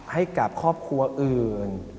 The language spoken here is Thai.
ให้กับครอบครัวอื่น